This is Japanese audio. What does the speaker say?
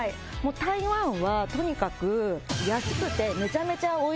台湾はとにかく。